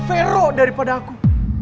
fero daripada aku